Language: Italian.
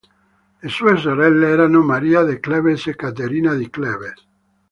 Le sue sorelle erano Maria di Clèves e Caterina di Clèves.